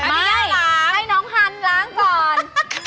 ไม่ให้น้องฮันล้างก่อน